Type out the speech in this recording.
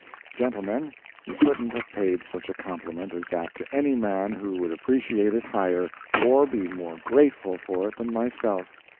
Gentlemen, you couldn't have paid such a compliment as that to any man who would appreciate it higher, or be more grateful for it than myself.